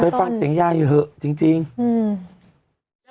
ฟังเสียงยายอยู่เถอะจริงจริงอืม